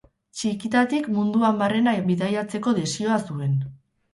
Txikitatik munduan barrena bidaiatzeko desioa zuen.